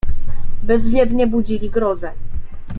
"Bezwiednie budzili grozę."